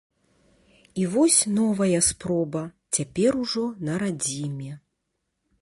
І вось новая спроба, цяпер ужо на радзіме.